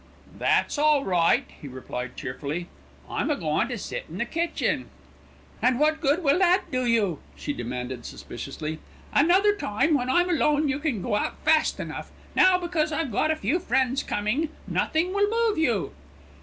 "That's all right," he replied cheerfully. "I'm a goin' to sit in the kitchen." "And what good will that do you?" she demanded suspiciously. "Another time, when I'm alone, you can go out fast enough. Now because I've got a few friends coming, nothing will move you."